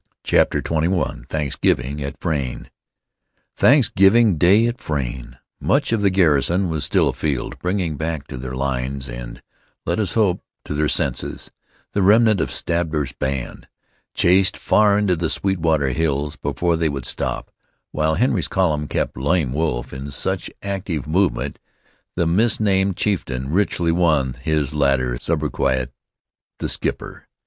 CHAPTER XXI THANKSGIVING AT FRAYNE Thanksgiving Day at Frayne! Much of the garrison was still afield, bringing back to their lines and, let us hope, to their senses, the remnant of Stabber's band, chased far into the Sweetwater Hills before they would stop, while Henry's column kept Lame Wolf in such active movement the misnamed chieftain richly won his later sobriquet "The Skipper."